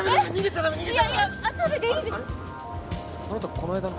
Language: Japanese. あなたこの間の。